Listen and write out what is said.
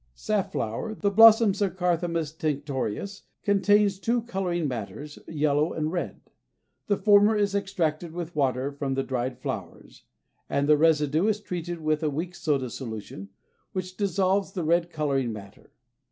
_ Safflower, the blossoms of Carthamus tinctorius, contains two coloring matters, yellow and red. The former is extracted with water from the dried flowers, and the residue is treated with a weak soda solution which dissolves the red coloring matter.